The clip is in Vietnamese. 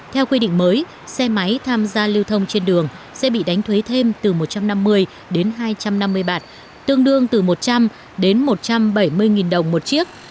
theo quy định mới xe máy tham gia lưu thông trên đường sẽ bị đánh thuế thêm từ một trăm năm mươi đến hai trăm năm mươi bạt tương đương từ một trăm linh đến một trăm bảy mươi đồng một chiếc